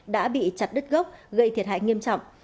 đã bị chặt đứt gốc gây thiệt hại nghiêm trọng